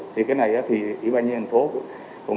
thì cái này thì ủy ban nhân thành phố